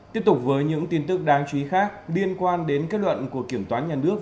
tiếp tục với những tin tức đáng chú ý khác liên quan đến kết luận của kiểm toán nhà nước